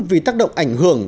vì tác động ảnh hưởng